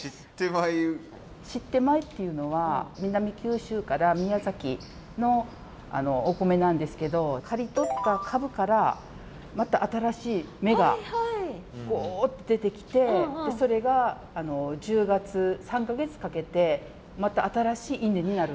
シッテ米っていうのは南九州から宮崎のお米なんですけど刈り取った株からまた新しい芽が出てきてそれが１０月３か月かけてまた新しい稲になるんです。